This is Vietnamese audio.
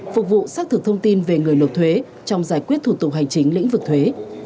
phục vụ xác thực thông tin về người nộp thuế trong giải quyết thủ tục hành chính lĩnh vực thuế